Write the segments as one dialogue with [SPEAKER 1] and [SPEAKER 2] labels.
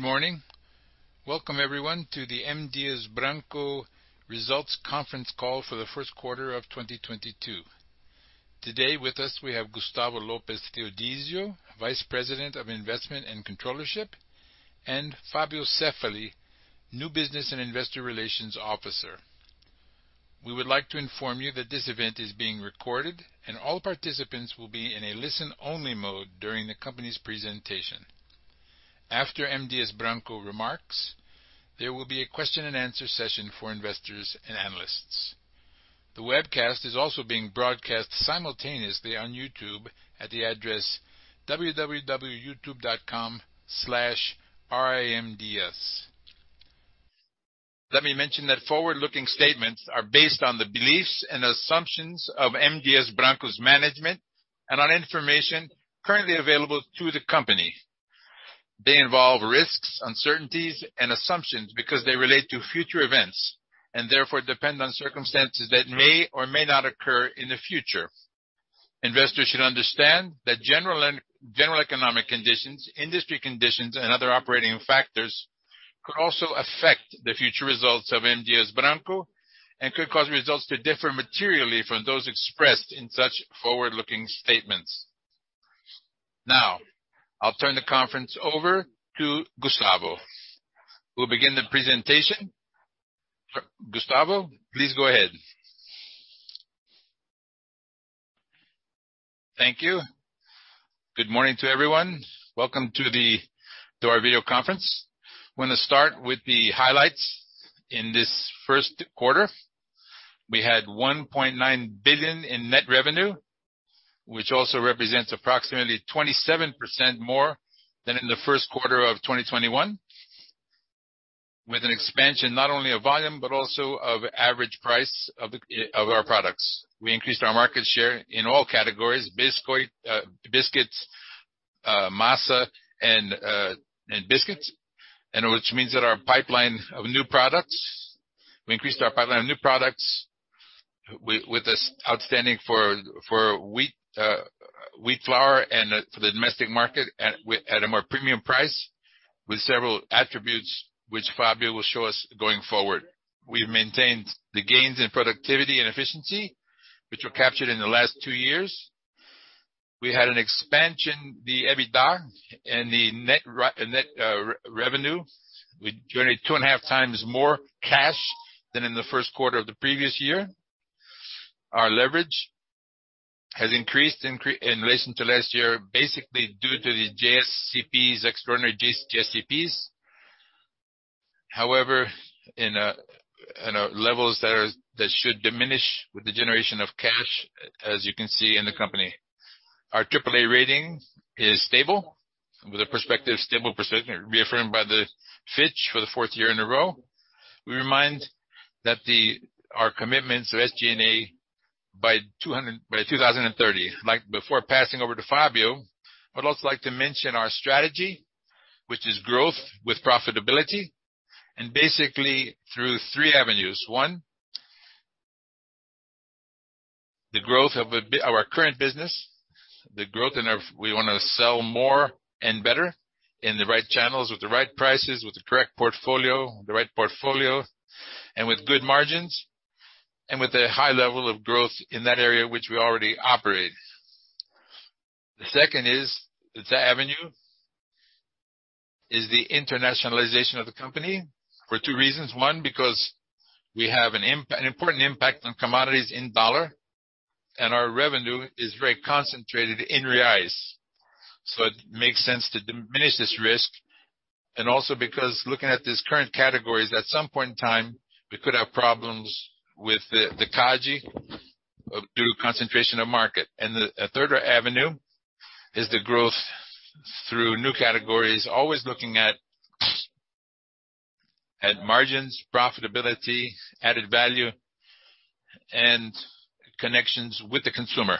[SPEAKER 1] Good morning. Welcome everyone to the M. Dias Branco Results Conference Call for the first quarter of 2022. Today with us we have Gustavo Lopes Theodozio, Vice President of Investment and Controllership, and Fabio Cefaly, New Business and Investor Relations Officer. We would like to inform you that this event is being recorded and all participants will be in a listen-only mode during the company's presentation. After M. Dias Branco remarks, there will be a question and answer session for investors and analysts. The webcast is also being broadcast simultaneously on YouTube at the address www.youtube.com/ri_mdiasbranco. Let me mention that forward-looking statements are based on the beliefs and assumptions of M. Dias Branco's management and on information currently available to the company. They involve risks, uncertainties and assumptions because they relate to future events, and therefore depend on circumstances that may or may not occur in the future. Investors should understand that general economic conditions, industry conditions and other operating factors could also affect the future results of M. Dias Branco and could cause results to differ materially from those expressed in such forward-looking statements. Now, I'll turn the conference over to Gustavo, who'll begin the presentation. Gustavo, please go ahead.
[SPEAKER 2] Thank you. Good morning to everyone. Welcome to our video conference. Want to start with the highlights. In this first quarter, we had 1.9 billion in net revenue, which also represents approximately 27% more than in the first quarter of 2021, with an expansion not only of volume but also of average price of our products. We increased our market share in all categories, biscoitos, massas, and crackers. Which means that our pipeline of new products. We increased our pipeline of new products with this outstanding for wheat flour and for the domestic market at a more premium price, with several attributes which Fabio will show us going forward. We've maintained the gains in productivity and efficiency, which were captured in the last two years. We had an expansion in the EBITDA and the net revenue. We generated 2.5 times more cash than in the first quarter of the previous year. Our leverage has increased in relation to last year, basically due to the JSCPs, extraordinary JSCPs. However, in levels that should diminish with the generation of cash, as you can see in the company. Our AAA rating is stable, with a stable perspective reaffirmed by Fitch for the fourth year in a row. We remind that our commitments of SG&A by 2030. Like, before passing over to Fabio, I'd also like to mention our strategy, which is growth with profitability, and basically through three avenues. One, the growth of our current business. We wanna sell more and better in the right channels with the right prices, with the right portfolio, and with good margins, and with a high level of growth in that area which we already operate. The second avenue is the internationalization of the company for two reasons. One, because we have an important impact on commodities in dollar, and our revenue is very concentrated in reais. It makes sense to diminish this risk. Also because looking at these current categories, at some point in time, we could have problems with the CADE due to concentration of market. The third avenue is the growth through new categories, always looking at margins, profitability, added value, and connections with the consumer.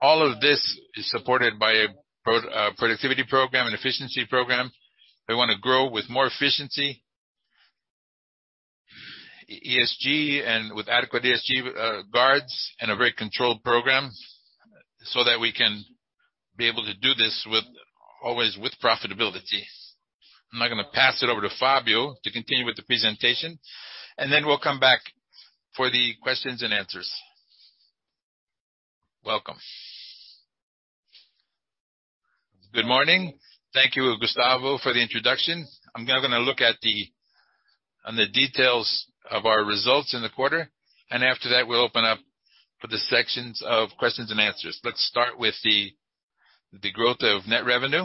[SPEAKER 2] All of this is supported by a productivity program and efficiency program. We wanna grow with more efficiency, ESG and with adequate ESG guardrails and a very controlled program so that we can be able to do this always with profitability. I'm now gonna pass it over to Fabio to continue with the presentation, and then we'll come back for the questions and answers. Welcome.
[SPEAKER 3] Good morning. Thank you, Gustavo, for the introduction. I'm now gonna look at the details of our results in the quarter, and after that, we'll open up for the session of questions and answers. Let's start with the growth of net revenue.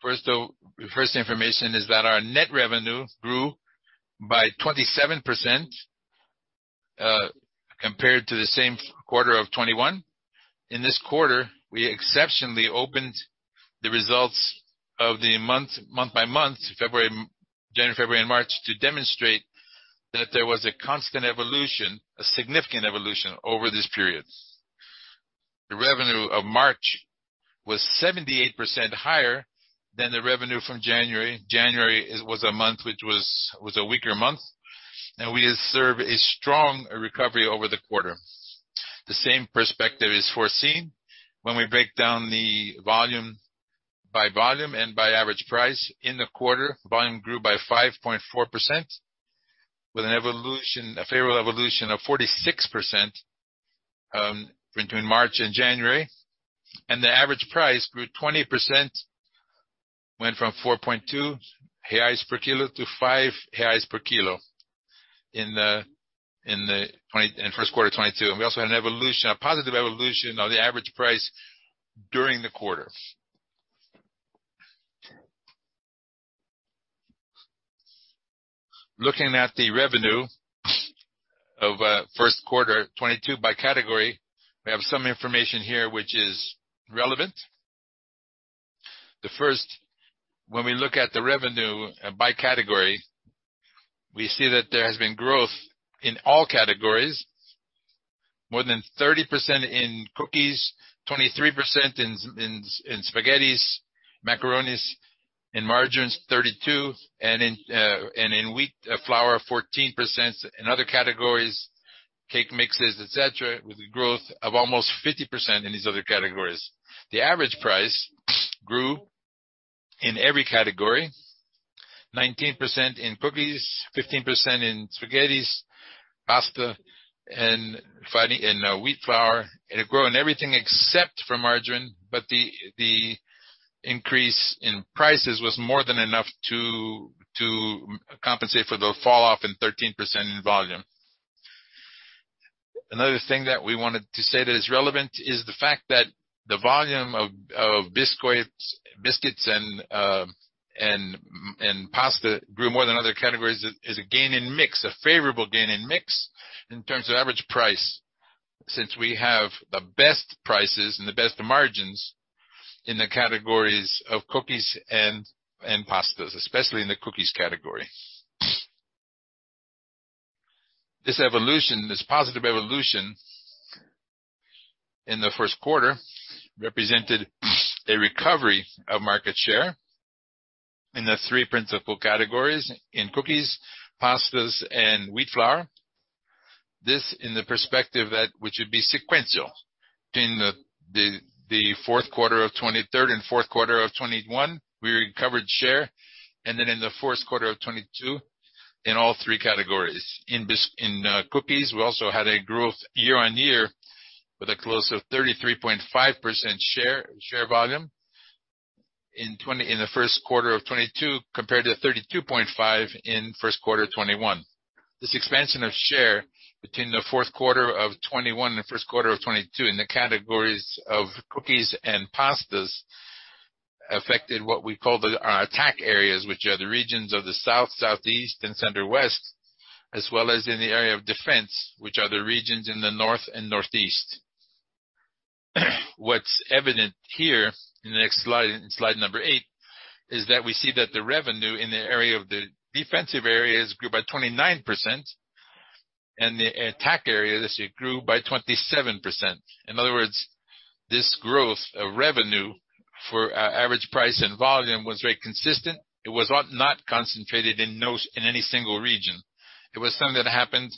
[SPEAKER 3] First information is that our net revenue grew by 27%, compared to the same quarter of 2021. In this quarter, we exceptionally opened the results month by month, January, February, and March, to demonstrate that there was a constant evolution, a significant evolution over this period. The revenue of March was 78% higher than the revenue from January. January was a month which was a weaker month, and we observe a strong recovery over the quarter. The same perspective is foreseen when we break down the volume by volume and by average price. In the quarter, volume grew by 5.4%, with a favorable evolution of 46%, between March and January. The average price grew 20%, went from 4.2 reais per kilo to 5 reais per kilo in first quarter 2022. We also had an evolution, a positive evolution of the average price during the quarter. Looking at the revenue of first quarter 2022 by category, we have some information here which is relevant. First, when we look at the revenue by category, we see that there has been growth in all categories. More than 30% in cookies, 23% in spaghetti, macaroni. In margarines, 32%, and in wheat flour, 14%. In other categories, cake mixes, et cetera, with a growth of almost 50% in these other categories. The average price grew in every category, 19% in cookies, 15% in spaghetti, pasta, and in wheat flour. It grew in everything except for margin, but the increase in prices was more than enough to compensate for the falloff in 13% in volume. Another thing that we wanted to say that is relevant is the fact that the volume of biscuits and pasta grew more than other categories is a gain in mix, a favorable gain in mix in terms of average price, since we have the best prices and the best margins in the categories of cookies and pastas, especially in the cookies category. This evolution, this positive evolution in the first quarter represented a recovery of market share in the three principal categories, in cookies, pastas, and wheat flour. This in the perspective which would be sequential. Between the fourth quarter of 2022 and fourth quarter of 2021, we recovered share, and then in the fourth quarter of 2022 in all three categories. In cookies, we also had a growth year-on-year with a close of 33.5% share volume in the first quarter of 2022, compared to 32.5% in first quarter 2021. This expansion of share between the fourth quarter of 2021 and first quarter of 2022 in the categories of cookies and pastas affected what we call our attack areas, which are the regions of the South, Southeast, and Center West, as well as in the area of defense, which are the regions in the North and Northeast. What's evident here in the next slide, in slide number eight, is that we see that the revenue in the area of the defensive areas grew by 29%, and the attack area this year grew by 27%. In other words, this growth of revenue for our average price and volume was very consistent. It was not concentrated in any single region. It was something that happened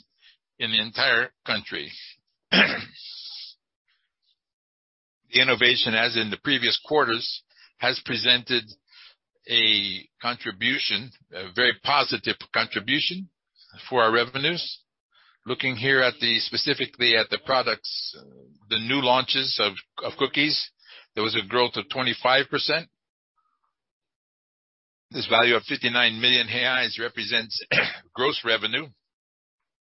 [SPEAKER 3] in the entire country. The innovation, as in the previous quarters, has presented a contribution, a very positive contribution for our revenues. Looking here at specifically the products, the new launches of cookies, there was a growth of 25%. This value of 59 million reais represents gross revenue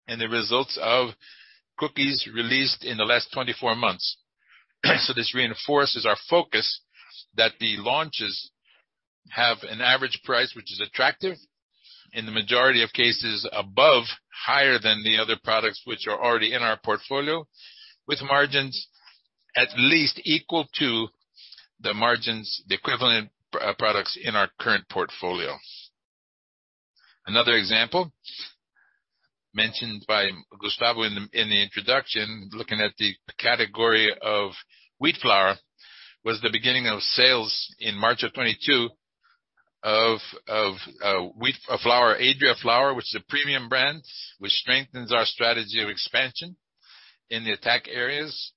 [SPEAKER 3] and the results of cookies released in the last 24 months. This reinforces our focus that the launches have an average price which is attractive, in the majority of cases, above higher than the other products which are already in our portfolio, with margins at least equal to the margins, the equivalent products in our current portfolio. Another example mentioned by Gustavo in the introduction, looking at the category of wheat flour, was the beginning of sales in March 2022 of wheat flour, Adria Flour, which is a premium brand, which strengthens our strategy of expansion in the attack areas.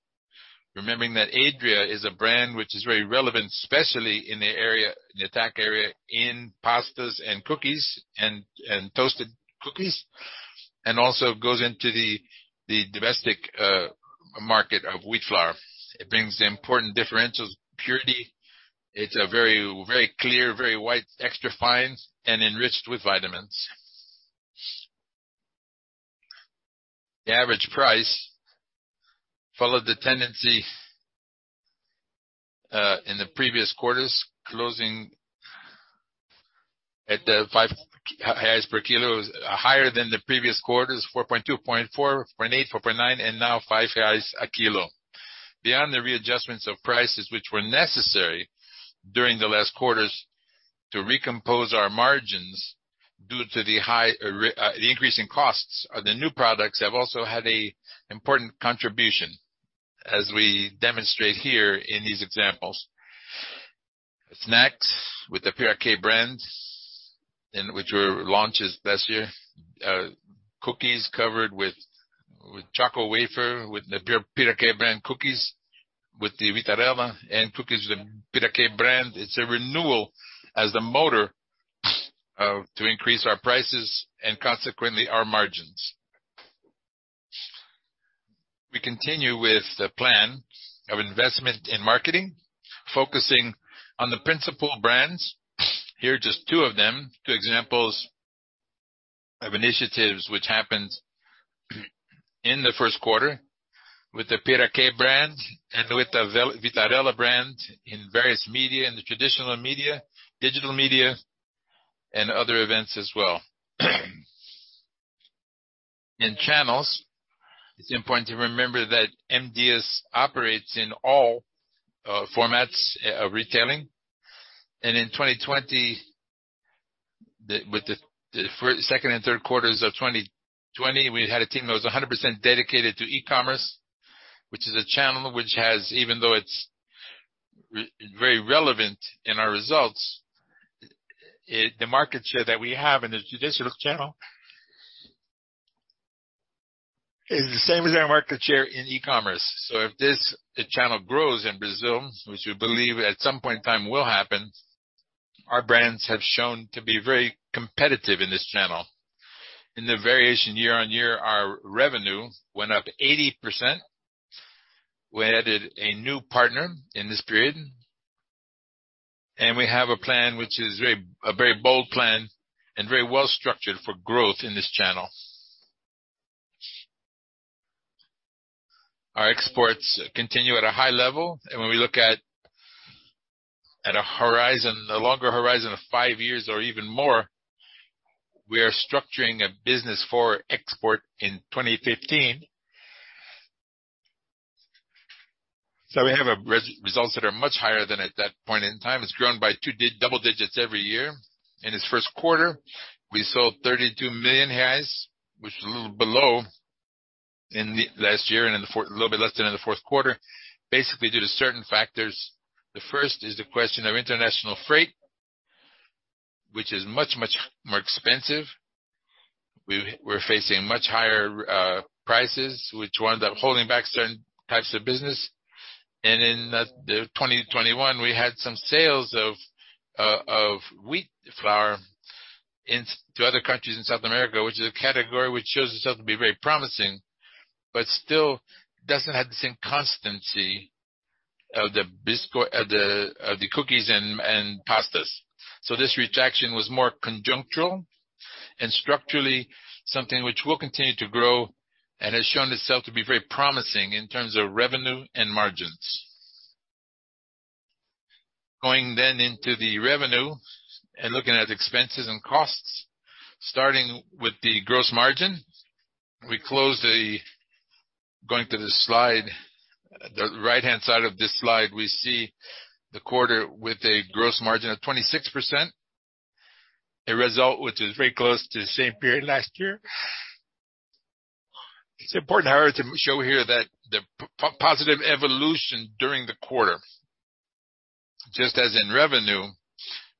[SPEAKER 3] Remembering that Adria is a brand which is very relevant, especially in the area, the attack area, in pastas and cookies and toasted cookies, and also goes into the domestic market of wheat flour. It brings important differentials, purity. It's a very clear, very white, extra fine and enriched with vitamins. The average price followed the tendency in the previous quarters, closing at 5 reais per kilo, higher than the previous quarters, 4.2, 4.4, 4.8, 4.9, and now 5 reais a kilo. Beyond the readjustments of prices which were necessary during the last quarters to recompose our margins due to the increase in costs, the new products have also had an important contribution, as we demonstrate here in these examples. Snacks with the Piraquê brands and which were launches last year. Cookies covered with Chocowafer, with the Piraquê brand, cookies with the Vitarella and cookies with Piraquê brand. It's a renewal as the motor to increase our prices and consequently our margins. We continue with the plan of investment in marketing, focusing on the principal brands. Here are just two of them, two examples of initiatives which happened in the first quarter with the Piraquê brand and with the Vitarella brand in various media, in the traditional media, digital media, and other events as well. In channels, it's important to remember that M. Dias Branco operates in all formats of retailing. In 2020, with the second and third quarters of 2020, we had a team that was 100% dedicated to e-commerce, which is a channel which has, even though it's very relevant in our results, the market share that we have in the traditional channel is the same as our market share in e-commerce. If the channel grows in Brazil, which we believe at some point in time will happen, our brands have shown to be very competitive in this channel. In the year-on-year variation, our revenue went up 80%. We added a new partner in this period. We have a plan which is a very bold plan and very well structured for growth in this channel. Our exports continue at a high level, and when we look at a horizon, a longer horizon of 5 years or even more, we are structuring a business for export in 2015. We have results that are much higher than at that point in time. It's grown by double digits every year. In its first quarter, we sold 32 million, which is a little below in the last year and a little bit less than in the fourth quarter, basically due to certain factors. The first is the question of international freight, which is much, much more expensive. We're facing much higher prices, which wound up holding back certain types of business. In 2021, we had some sales of wheat flour to other countries in South America, which is a category which shows itself to be very promising, but still doesn't have the same constancy of the biscuits, cookies, and pastas. This contraction was more conjunctural and structurally something which will continue to grow and has shown itself to be very promising in terms of revenue and margins. Going into the revenue and looking at expenses and costs, starting with the gross margin. We closed. Going to this slide, the right-hand side of this slide, we see the quarter with a gross margin of 26%, a result which is very close to the same period last year. It's important, however, to show here that the positive evolution during the quarter, just as in revenue,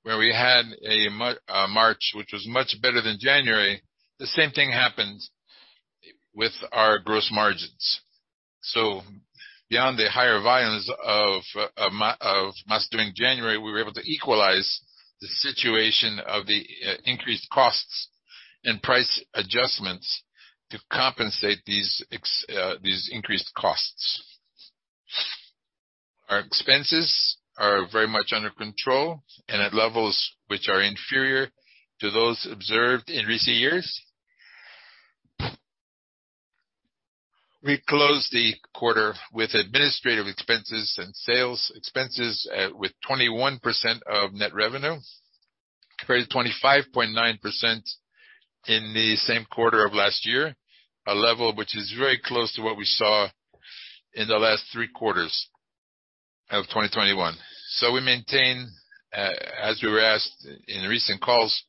[SPEAKER 3] where we had a March which was much better than January, the same thing happened with our gross margins. Beyond the higher volumes of massas in January, we were able to equalize the situation of the increased costs and price adjustments to compensate these increased costs. Our expenses are very much under control and at levels which are inferior to those observed in recent years. We closed the quarter with administrative expenses and sales expenses with 21% of net revenue, compared to 25.9% in the same quarter of last year, a level which is very close to what we saw in the last three quarters of 2021. We maintain, as we were asked in recent calls,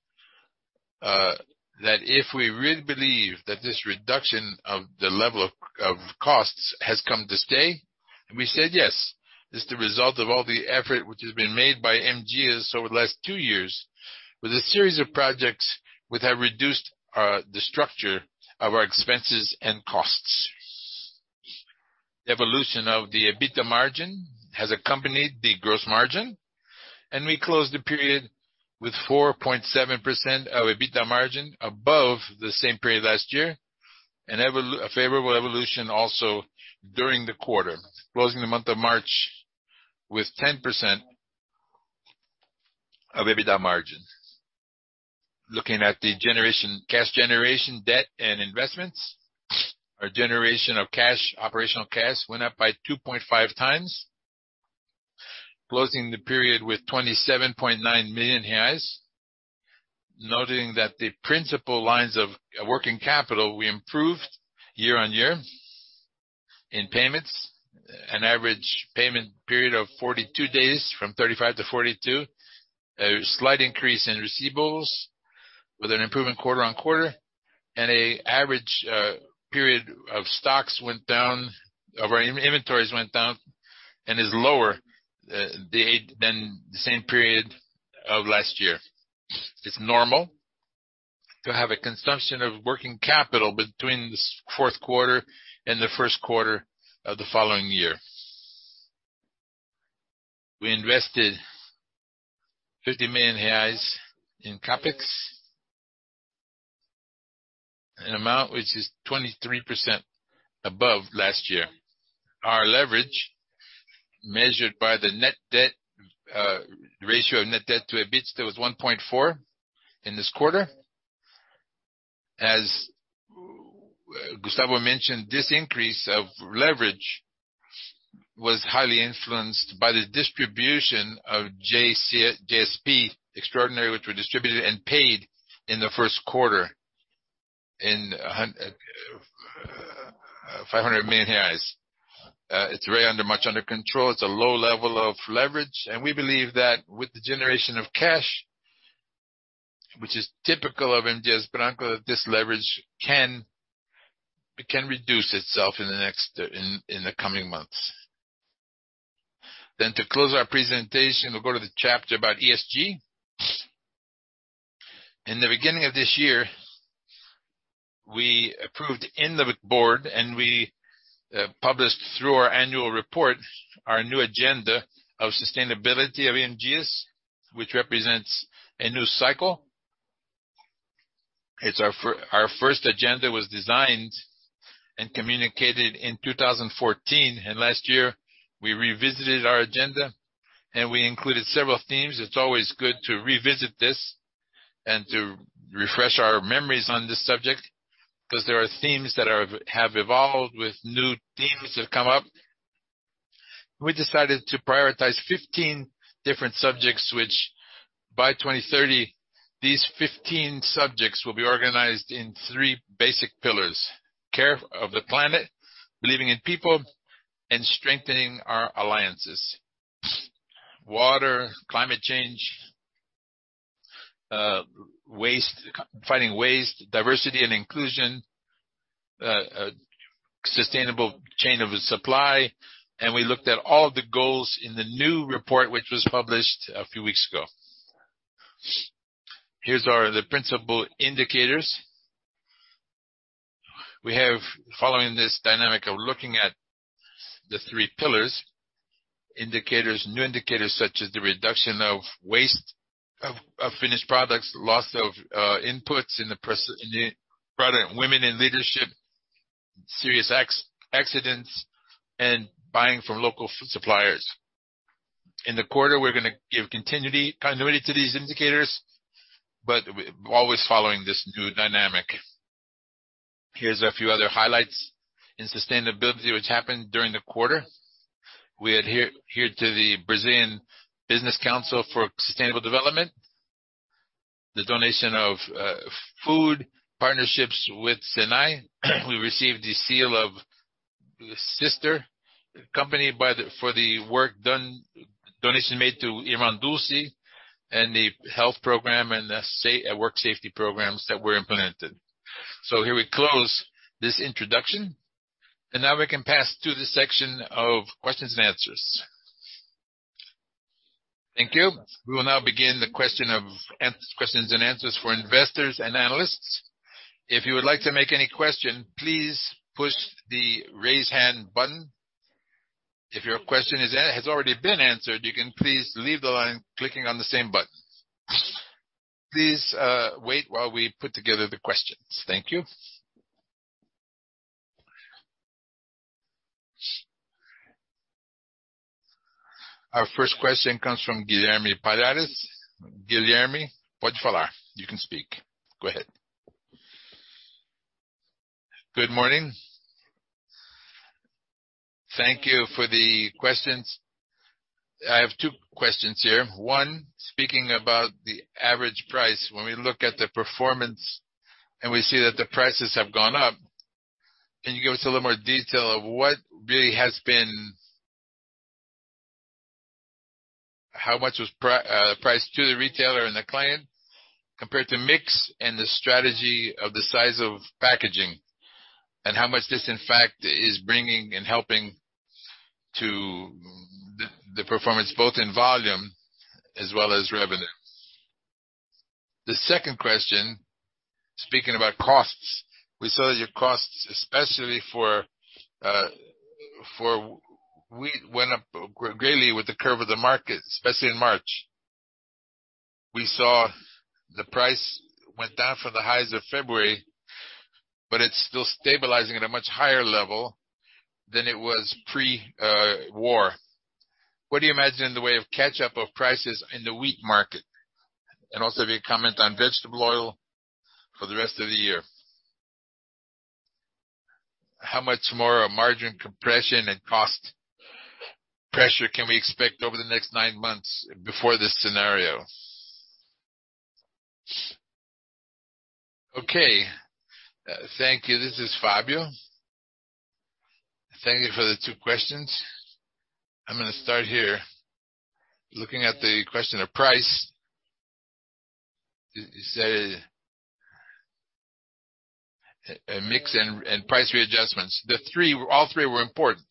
[SPEAKER 3] that if we really believe that this reduction of the level of costs has come to stay, and we said, yes. It's the result of all the effort which has been made by MGS over the last two years with a series of projects which have reduced the structure of our expenses and costs. Evolution of the EBITDA margin has accompanied the gross margin, and we closed the period with 4.7% EBITDA margin above the same period last year, and a favorable evolution also during the quarter, closing the month of March with 10% EBITDA margin. Looking at cash generation, debt and investments, our generation of cash, operational cash, went up by 2.5 times, closing the period with 27.9 million reais. Noting that the principal lines of working capital we improved year-over-year in payments, an average payment period of 42 days from 35 to 42. A slight increase in receivables with an improvement quarter-over-quarter and an average period of inventories went down. Our inventories went down and is lower than the same period of last year. It's normal to have a consumption of working capital between the fourth quarter and the first quarter of the following year. We invested 50 million reais in CapEx. An amount which is 23% above last year. Our leverage measured by the net debt ratio of net debt to EBITDA was 1.4 in this quarter. As Gustavo mentioned, this increase of leverage was highly influenced by the distribution of JSCP extraordinary, which were distributed and paid in the first quarter in 500 million. It's much under control. It's a low level of leverage. We believe that with the generation of cash, which is typical of M. Dias Branco, that this leverage can reduce itself in the coming months. To close our presentation, we'll go to the chapter about ESG. In the beginning of this year, we approved in the board and we published through our annual report our new agenda of sustainability of M. Dias Branco, which represents a new cycle. Our first agenda was designed and communicated in 2014, and last year we revisited our agenda, and we included several themes. It's always good to revisit this and to refresh our memories on this subject, 'cause there are themes that have evolved with new themes that have come up. We decided to prioritize 15 different subjects, which by 2030, these 15 subjects will be organized in three basic pillars: care of the planet, believing in people, and strengthening our alliances. Water, climate change, waste, fighting waste, diversity and inclusion, sustainable supply chain, and we looked at all of the goals in the new report, which was published a few weeks ago. Here's our the principal indicators. We have, following this dynamic of looking at the three pillars, indicators, new indicators such as the reduction of waste of finished products, loss of inputs in the product, women in leadership, serious accidents, and buying from local suppliers. In the quarter, we're gonna give continuity to these indicators, but always following this new dynamic. Here's a few other highlights in sustainability which happened during the quarter. We adhered to the Brazilian Business Council for Sustainable Development. The donation of food partnerships with SENAI. We received the Selo Empresa Irmã for the work done, donation made to Irmã Dulce and the health program and the work safety programs that were implemented. Here we close this introduction, and now we can pass to the section of questions and answers.
[SPEAKER 1] Thank you. We will now begin the questions and answers for investors and analysts. If you would like to make any question, please push the Raise Hand button. If your question has already been answered, you can please leave the line clicking on the same button. Please, wait while we put together the questions. Thank you. Our first question comes from Guilherme Palhares. Guilherme, pode falar. You can speak. Go ahead.
[SPEAKER 4] Good morning. Thank you for the questions. I have two questions here. One, speaking about the average price, when we look at the performance and we see that the prices have gone up, can you give us a little more detail of what really has been priced to the retailer and the client compared to mix and the strategy of the size of packaging? And how much this, in fact, is bringing and helping to the performance, both in volume as well as revenue? The second question, speaking about costs. We saw that your costs, especially for wheat, went up greatly with the curve of the market, especially in March. We saw the price went down from the highs of February, but it's still stabilizing at a much higher level than it was pre-war. What do you imagine in the way of catch-up of prices in the wheat market? And also if you comment on vegetable oil for the rest of the year. How much more margin compression and cost pressure can we expect over the next nine months before this scenario?
[SPEAKER 3] Okay. Thank you. This is Fabio. Thank you for the two questions. I'm gonna start here. Looking at the question of price, you said mix and price readjustments. All three were important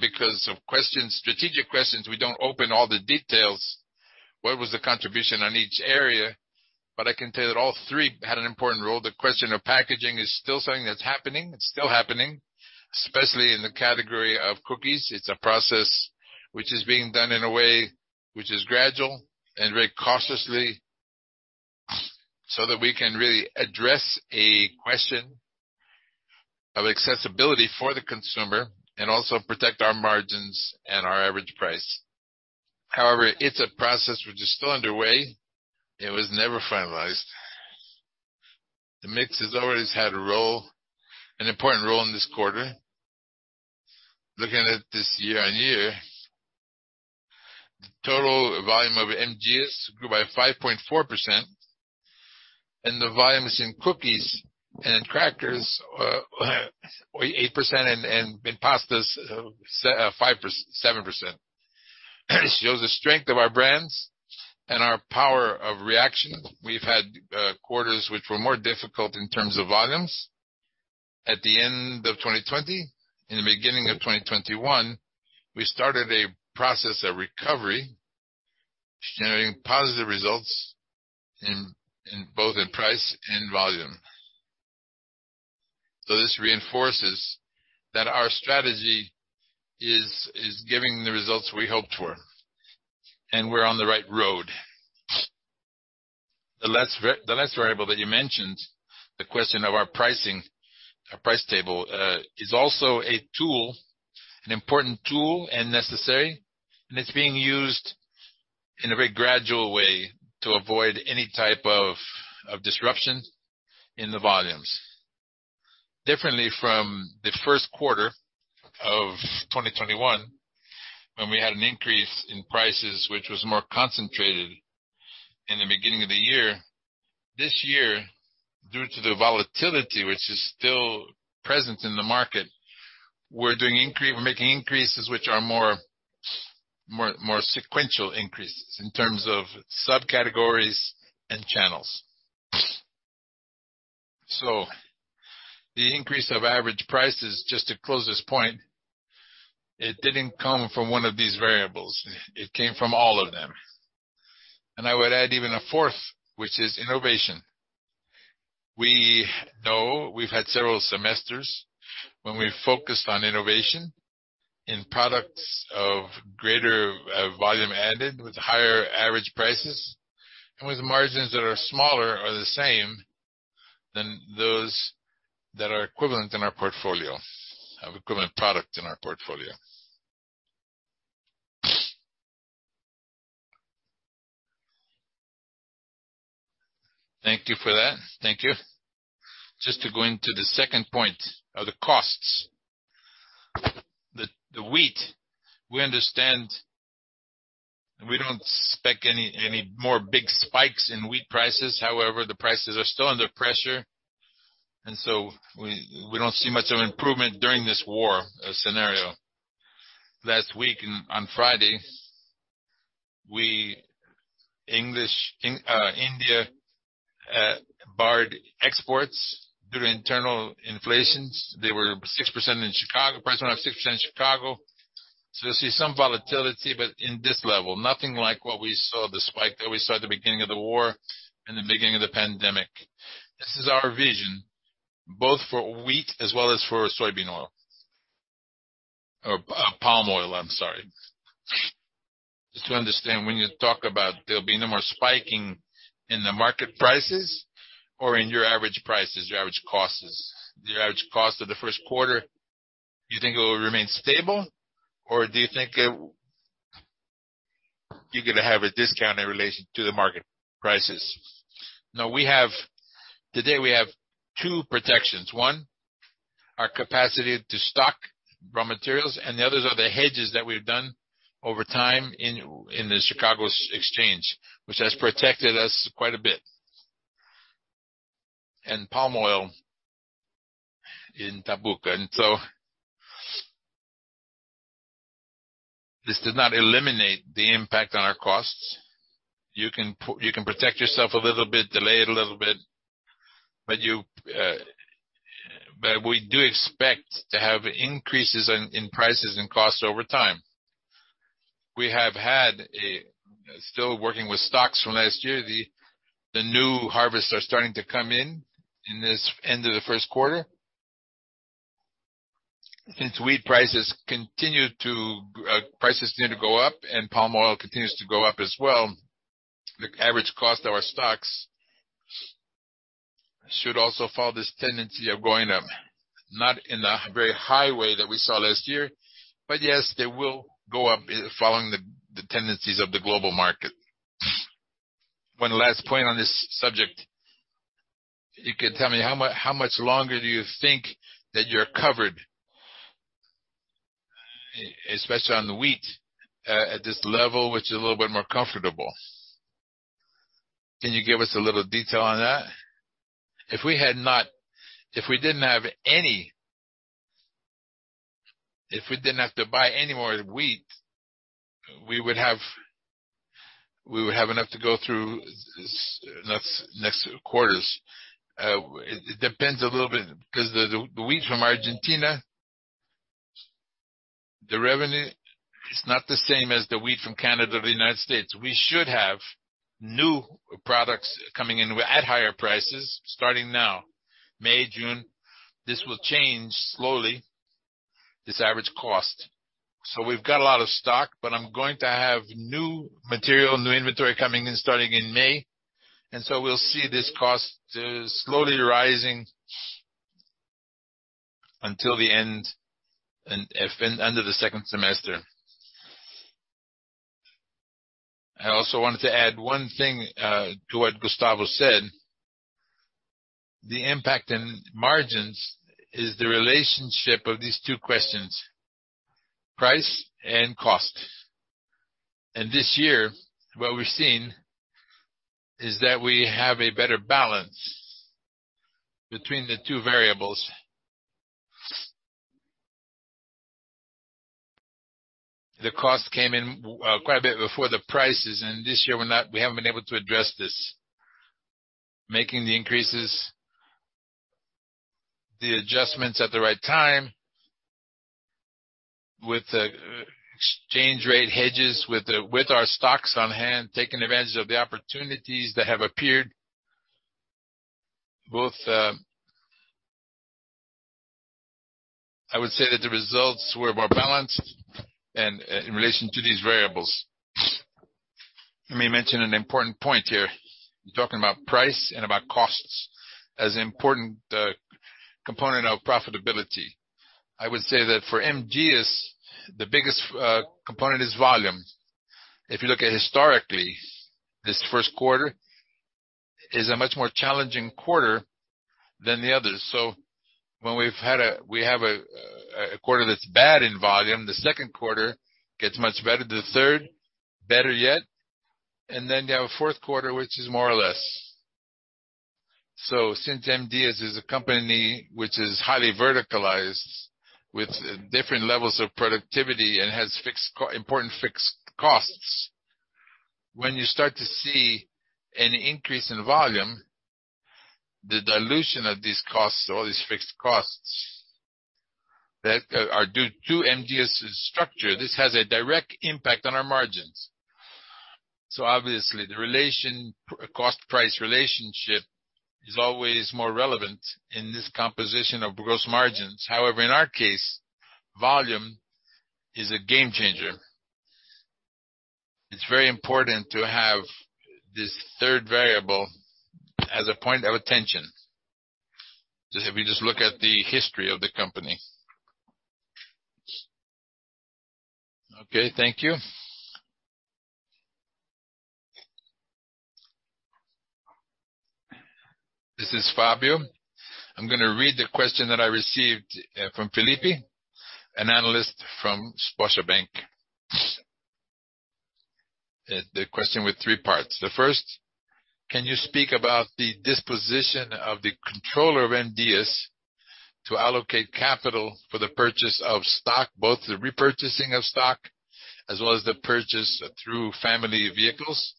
[SPEAKER 3] because of strategic questions. We don't open all the details, what was the contribution on each area, but I can tell you that all three had an important role. The question of packaging is still something that's happening, especially in the category of cookies. It's a process which is being done in a way which is gradual and very cautiously, so that we can really address a question of accessibility for the consumer and also protect our margins and our average price. However, it's a process which is still underway. It was never finalized. The mix has always had a role, an important role in this quarter. Looking at this year-on-year, the total volume of MGS grew by 5.4%, and the volumes in cookies and in crackers were 8% and in pastas 7%. It shows the strength of our brands and our power of reaction. We've had quarters which were more difficult in terms of volumes. At the end of 2020, in the beginning of 2021, we started a process of recovery, generating positive results in both price and volume. This reinforces that our strategy is giving the results we hoped for, and we're on the right road. The last variable that you mentioned, the question of our pricing, our price table, is also a tool, an important tool and necessary, and it's being used in a very gradual way to avoid any type of disruption in the volumes. Differently from the first quarter of 2021, when we had an increase in prices which was more concentrated in the beginning of the year, this year, due to the volatility which is still present in the market, we're making increases which are more sequential increases in terms of subcategories and channels. The increase of average prices, just to close this point, it didn't come from one of these variables. It came from all of them. I would add even a fourth, which is innovation. We know we've had several semesters when we focused on innovation in products of greater value added with higher average prices and with margins that are smaller or the same than those that are equivalent in our portfolio, of equivalent product in our portfolio. Thank you for that. Thank you. Just to go into the second point of the costs. The wheat, we understand, and we don't expect any more big spikes in wheat prices. However, the prices are still under pressure, and so we don't see much of improvement during this war scenario. Last week on Friday, India banned exports due to internal inflation. They were 6% in Chicago, price went up 6% in Chicago. We see some volatility, but in this level, nothing like what we saw, the spike that we saw at the beginning of the war and the beginning of the pandemic. This is our vision, both for wheat as well as for soybean oil. Or, palm oil, I'm sorry. Just to understand, when you talk about there'll be no more spiking in the market prices or in your average prices, your average costs? The average cost of the first quarter, do you think it will remain stable or do you think you're gonna have a discount in relation to the market prices? No. Today, we have two protections. One, our capacity to stock raw materials, and the others are the hedges that we've done over time in the Chicago Board of Trade, which has protected us quite a bit. Palm oil in Dalian. This does not eliminate the impact on our costs. You can protect yourself a little bit, delay it a little bit, but we do expect to have increases in prices and costs over time. We have had still working with stocks from last year. The new harvests are starting to come in this end of the first quarter. Since wheat prices continue to go up and palm oil continues to go up as well, the average cost of our stocks should also follow this tendency of going up. Not in a very high way that we saw last year, but yes, they will go up following the tendencies of the global market. One last point on this subject. You could tell me, how much longer do you think that you're covered? Especially on the wheat, at this level, which is a little bit more comfortable. Can you give us a little detail on that? If we didn't have to buy any more wheat, we would have enough to go through next quarters. It depends a little bit because the wheat from Argentina, the revenue is not the same as the wheat from Canada or the United States. We should have new products coming in at higher prices starting now, May, June. This will change slowly, this average cost. We've got a lot of stock, but I'm going to have new material, new inventory coming in starting in May, and so we'll see this cost slowly rising until the end of the second semester. I also wanted to add one thing to what Gustavo said. The impact on margins is the relationship of these two questions, price and cost. This year, what we've seen is that we have a better balance between the two variables. The cost came in quite a bit before the prices, and this year we haven't been able to address this, making the increases, the adjustments at the right time with the exchange rate hedges, with our stocks on hand, taking advantage of the opportunities that have appeared. Both I would say that the results were more balanced and in relation to these variables. Let me mention an important point here, talking about price and about costs as an important component of profitability. I would say that for M. Dias Branco, the biggest component is volume. If you look historically, this first quarter is a much more challenging quarter than the others. When we have a quarter that's bad in volume, the second quarter gets much better, the third better yet, and then you have a fourth quarter, which is more or less. Since M. Dias Branco is a company which is highly verticalized with different levels of productivity and has important fixed costs, when you start to see an increase in volume, the dilution of these costs, all these fixed costs that are due to M. Dias Branco's structure, this has a direct impact on our margins. Obviously, the cost-price relationship is always more relevant in this composition of gross margins. However, in our case, volume is a game changer. It's very important to have this third variable as a point of attention, if you just look at the history of the company.
[SPEAKER 4] Okay, thank you.
[SPEAKER 3] This is Fabio. I'm gonna read the question that I received from Felipe, an analyst from Scotiabank. The question with three parts. The first, can you speak about the disposition of the controllers of M. Dias Branco to allocate capital for the purchase of stock, both the repurchasing of stock as well as the purchase through family vehicles,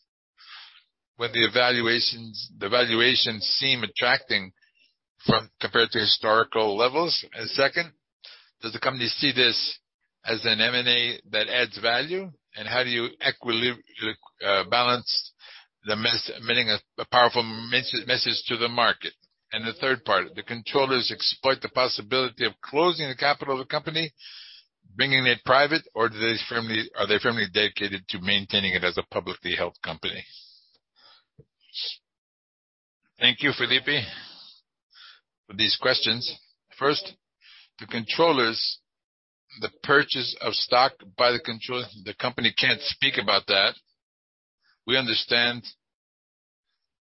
[SPEAKER 3] when the evaluations, the valuations seem attractive compared to historical levels? Second, does the company see this as an M&A that adds value? And how do you balance the message, emitting a powerful message to the market? The third part, the controllers explore the possibility of closing the capital of the company, bringing it private, or are they firmly dedicated to maintaining it as a publicly held company? Thank you, Felipe, for these questions. First, the controllers, the purchase of stock by the controllers, the company can't speak about that. We understand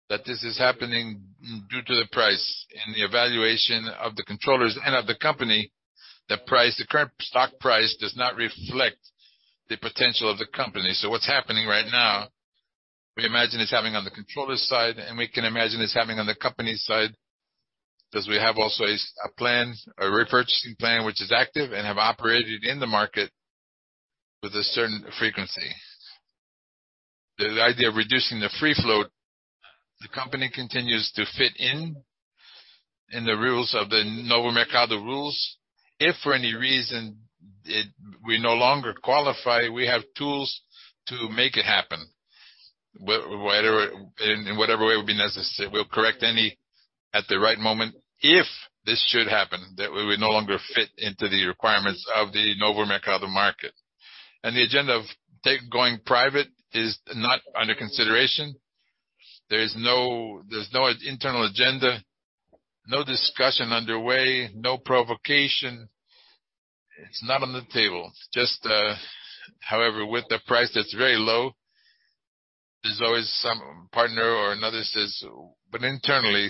[SPEAKER 3] that this is happening due to the price and the evaluation of the controllers and of the company. The price, the current stock price, does not reflect the potential of the company. What's happening right now, we imagine it's having on the controller side, and we can imagine it's having on the company side, because we have also a plan, a repurchasing plan which is active and have operated in the market with a certain frequency. The idea of reducing the free float, the company continues to fit in the rules of the Novo Mercado rules. If for any reason we no longer qualify, we have tools to make it happen. Whether in whatever way it would be necessary. We'll correct any at the right moment, if this should happen, that we would no longer fit into the requirements of the Novo Mercado market. The agenda of going private is not under consideration. There's no internal agenda, no discussion underway, no provocation. It's not on the table. However, with the price that's very low, there's always some partner or another says. But internally,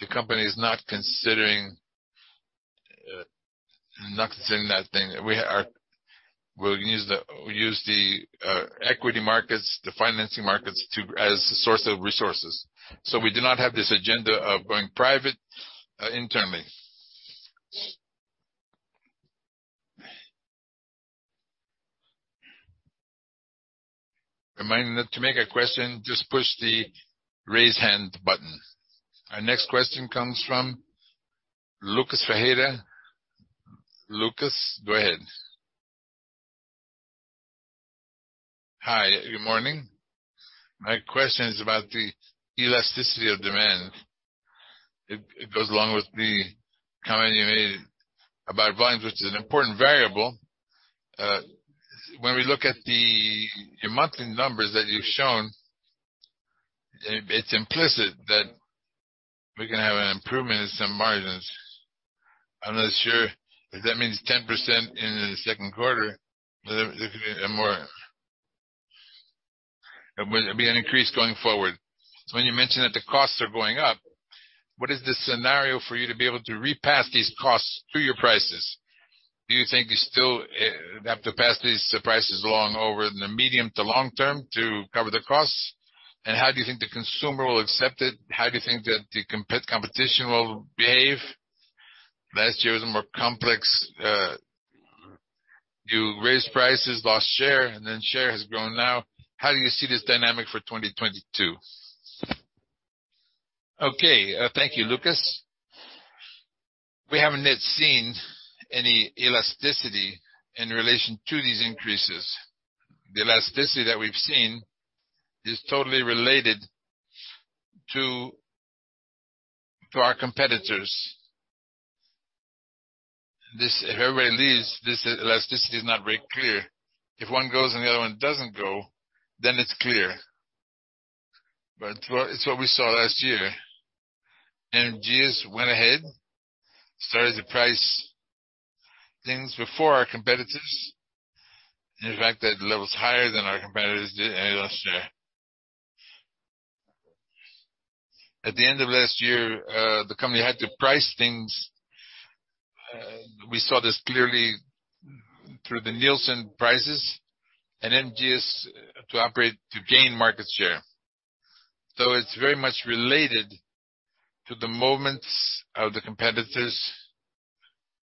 [SPEAKER 3] the company is not considering that thing. We'll use the equity markets, the financing markets as a source of resources. We do not have this agenda of going private internally.
[SPEAKER 1] Reminder, to ask a question, just push the raise hand button. Our next question comes from Lucas Ferreira. Lucas, go ahead.
[SPEAKER 5] Hi, good morning. My question is about the elasticity of demand. It goes along with the comment you made about volumes, which is an important variable. When we look at your monthly numbers that you've shown, it's implicit that we're gonna have an improvement in some margins. I'm not sure if that means 10% in the second quarter, but it could be more. It will be an increase going forward. When you mention that the costs are going up, what is the scenario for you to be able to repass these costs through your prices? Do you think you still have to pass these prices along over the medium to long term to cover the costs? How do you think the consumer will accept it? How do you think that the competition will behave? Last year was a more complex. You raised prices, lost share, and then share has grown now. How do you see this dynamic for 2022?
[SPEAKER 3] Okay. Thank you, Lucas. We haven't yet seen any elasticity in relation to these increases. The elasticity that we've seen is totally related to our competitors. If everybody leaves, this elasticity is not very clear. If one goes and the other one doesn't go, then it's clear. It's what we saw last year. MGS went ahead, started to price things before our competitors. In fact, at levels higher than our competitors did and lost share. At the end of last year, the company had to price things, we saw this clearly through the Nielsen prices, and MGS to operate to gain market share. It's very much related to the movements of the competitors.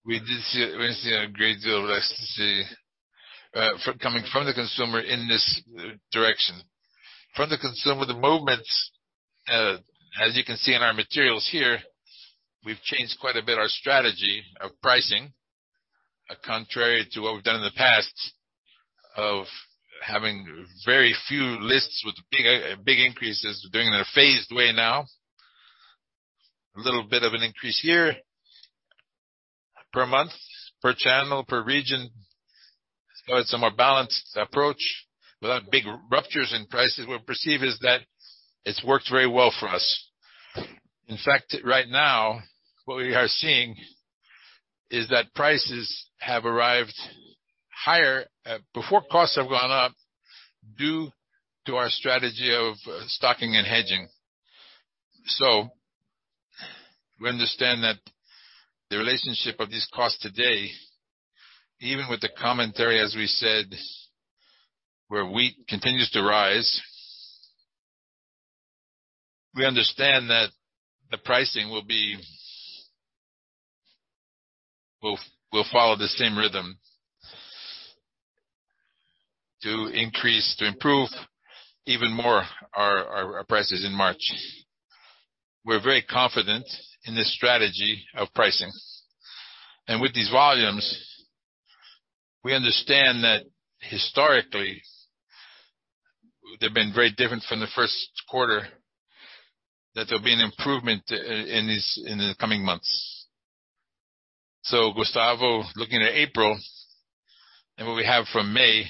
[SPEAKER 3] We didn't see a great deal of elasticity from the consumer in this direction. From the consumer, the movements, as you can see in our materials here, we've changed quite a bit our strategy of pricing, contrary to what we've done in the past of having very few lists with big increases. We're doing it in a phased way now. A little bit of an increase here per month, per channel, per region. It's a more balanced approach without big ruptures in prices. What we perceive is that it's worked very well for us. In fact, right now, what we are seeing is that prices have arrived higher before costs have gone up, due to our strategy of stocking and hedging. We understand that the relationship of these costs today, even with the commentary, as we said, where wheat continues to rise, we understand that the pricing will follow the same rhythm to increase, to improve even more our prices in March. We're very confident in this strategy of pricing. With these volumes, we understand that historically, they've been very different from the first quarter, that there'll be an improvement in the coming months. Gustavo, looking at April and what we have for May,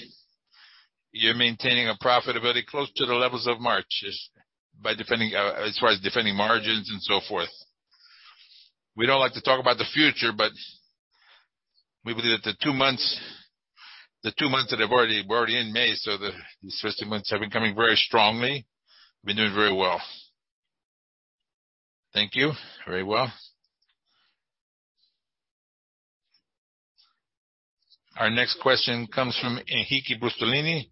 [SPEAKER 3] you're maintaining a profitability close to the levels of March by defending, as far as defending margins and so forth. We don't like to talk about the future, but we believe that the two months that have already. We're already in May, so these first two months have been coming very strongly. We've been doing very well.
[SPEAKER 5] Thank you. Very well.
[SPEAKER 1] Our next question comes from Henrique Brustolin.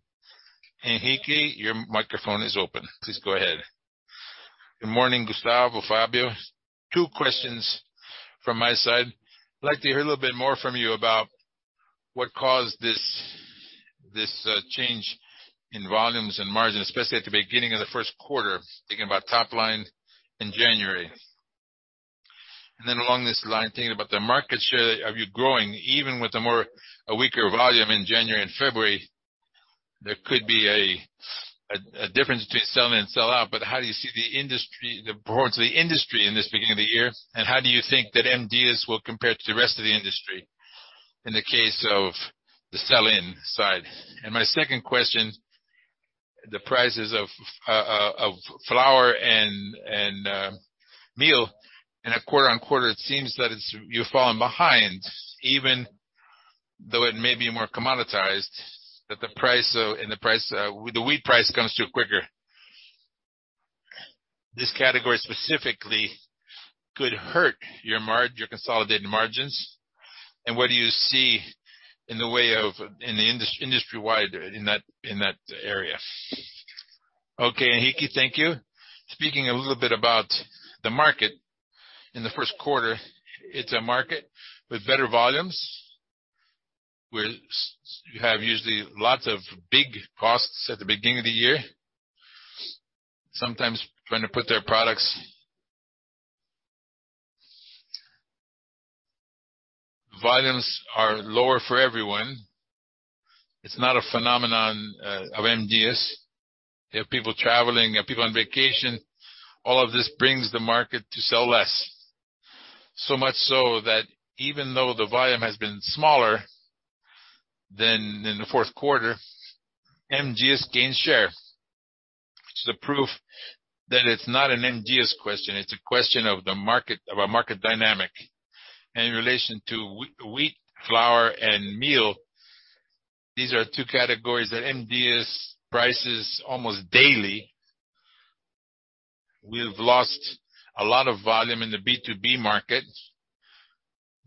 [SPEAKER 1] Henrique, your microphone is open. Please go ahead.
[SPEAKER 6] Good morning, Gustavo, Fabio. Two questions from my side. I'd like to hear a little bit more from you about what caused this change in volumes and margins, especially at the beginning of the first quarter, thinking about top line in January. Along this line, thinking about the market share, are you growing even with a weaker volume in January and February? There could be a difference between sell in and sell out, but how do you see the performance of the industry in this beginning of the year? How do you think that MGS will compare to the rest of the industry in the case of the sell in side? My second question, the prices of flour and meal on a quarter-over-quarter, it seems that you've fallen behind even though it may be more commoditized, that the price and the wheat price comes through quicker. This category specifically could hurt your consolidated margins. What do you see in the way of industry-wide in that area?
[SPEAKER 2] Okay, Henrique, thank you. Speaking a little bit about the market in the first quarter, it's a market with better volumes, where you have usually lots of big costs at the beginning of the year. Sometimes trying to put their products. Volumes are lower for everyone. It's not a phenomenon of M. Dias Branco. They have people traveling, they have people on vacation. All of this brings the market to sell less. So much so that even though the volume has been smaller than in the fourth quarter, M. Dias Branco gained share. Which is a proof that it's not an M. Dias Branco question, it's a question of the market of a market dynamic. In relation to wheat, flour, and meal, these are two categories that M. Dias Branco prices almost daily. We've lost a lot of volume in the B2B market,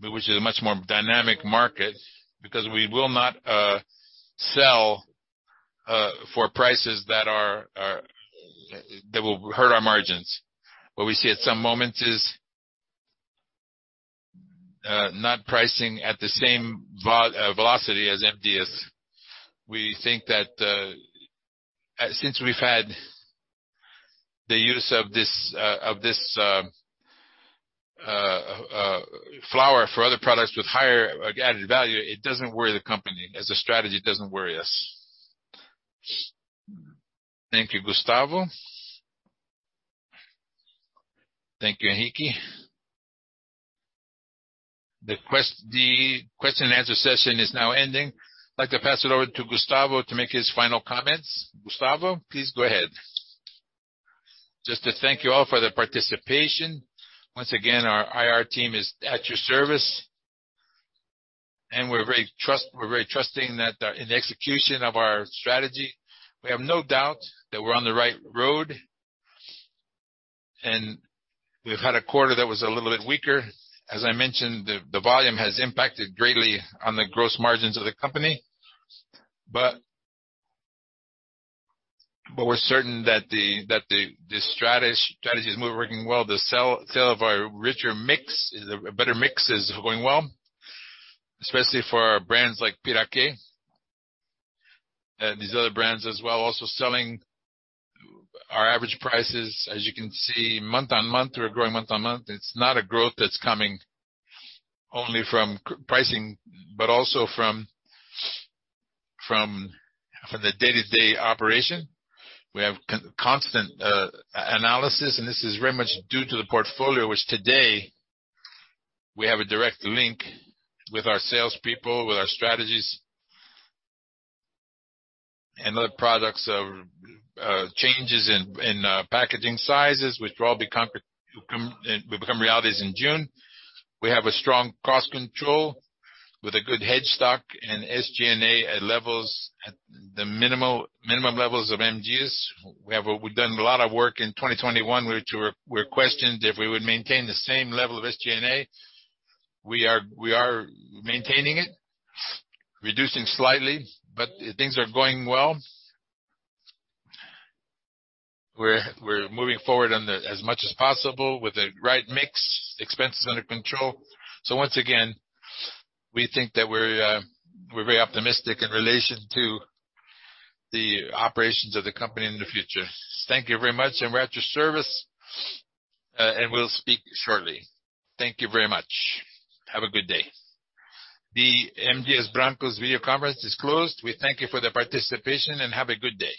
[SPEAKER 2] but which is a much more dynamic market because we will not sell for prices that will hurt our margins. What we see at some moments is not pricing at the same velocity as MGS. We think that since we've had the use of this flour for other products with higher added value, it doesn't worry the company. As a strategy, it doesn't worry us.
[SPEAKER 6] Thank you, Gustavo.
[SPEAKER 2] Thank you, Henrique.
[SPEAKER 1] The question and answer session is now ending. I'd like to pass it over to Gustavo to make his final comments. Gustavo, please go ahead.
[SPEAKER 2] Just to thank you all for the participation. Once again, our IR team is at your service. We're very trusting that, in the execution of our strategy, we have no doubt that we're on the right road. We've had a quarter that was a little bit weaker. As I mentioned, the volume has impacted greatly on the gross margins of the company. We're certain that the strategy is working well. The sale of our richer mix, a better mix, is going well, especially for our brands like Piraquê, these other brands as well. Also, our average selling prices, as you can see month-on-month, we're growing month-on-month. It's not a growth that's coming only from pricing, but also from the day-to-day operation. We have constant analysis, and this is very much due to the portfolio, which today we have a direct link with our salespeople, with our strategies. The products of changes in packaging sizes, which will all become realities in June. We have a strong cost control with a good hedge stock and SG&A at the minimum levels of MGS. We've done a lot of work in 2021, which were questioned if we would maintain the same level of SG&A. We are maintaining it, reducing slightly, but things are going well. We're moving forward as much as possible with the right mix, expenses under control. Once again, we think that we're very optimistic in relation to the operations of the company in the future. Thank you very much, and we're at your service, and we'll speak shortly. Thank you very much. Have a good day. The M. Dias Branco's video conference is closed. We thank you for the participation, and have a good day.